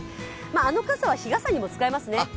あの傘は日傘にも使えますね。